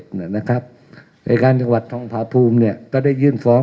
เหนือกานจังหวัดท้องป้าภูมิก็ได้ยื่นฟ้อง